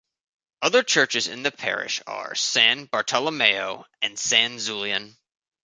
Other churches in the parish are San Bartolomeo and San Zulian.